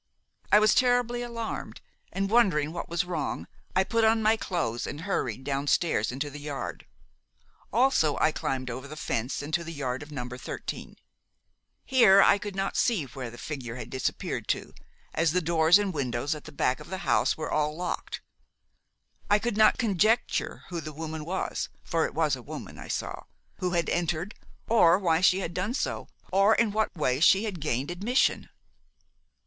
I was terribly alarmed, and wondering what was wrong, I put on my clothes and hurried downstairs into the yard. Also I climbed over the fence into the yard of No. 13. Here I could not see where the figure had disappeared to, as the doors and windows at the back of the house were all locked. I could not conjecture who the woman was for it was a woman I saw who had entered, or why she had done so, or in what way she had gained admission.